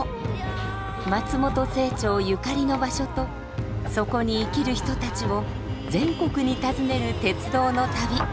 松本清張ゆかりの場所とそこに生きる人たちを全国に訪ねる鉄道の旅